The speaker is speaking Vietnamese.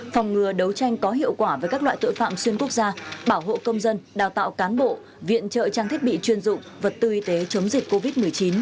phòng ngừa đấu tranh có hiệu quả với các loại tội phạm xuyên quốc gia bảo hộ công dân đào tạo cán bộ viện trợ trang thiết bị chuyên dụng vật tư y tế chống dịch covid một mươi chín